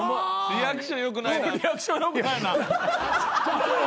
リアクションよくないよな。